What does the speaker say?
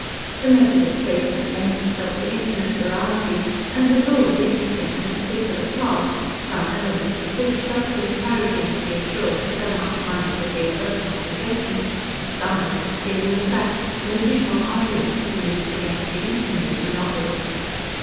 The method of statement lent itself to infinite variety and was always interesting to a particular class, some elements of which felt it encouraging to be assured that so much money could be a personal possession, some elements feeling the fact an additional argument to be used against the infamy of monopoly.